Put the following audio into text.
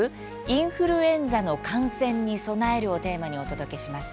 インフルエンザの感染に備える」をテーマにお届けします。